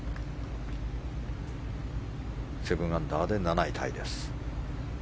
７アンダーで７位タイです。